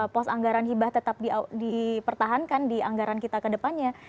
pos anggaran hibah tetap dipertahankan di anggaran kita ke depannya